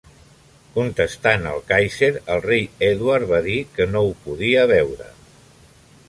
Contestant el Kaiser, el rei Edward va dir que no ho podia veure.